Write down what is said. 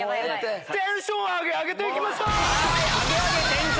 テンションアゲアゲて行きましょう‼